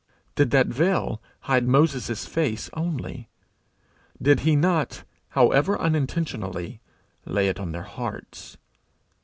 Did that veil hide Moses's face only? Did he not, however unintentionally, lay it on their hearts?